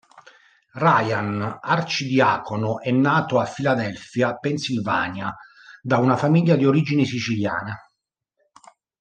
Ryan Arcidiacono è nato a Filadelfia, Pennsylvania da una famiglia di origini siciliane.